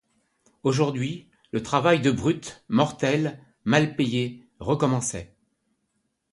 Aujourd'hui, le travail de brute, mortel, mal payé, recommençait.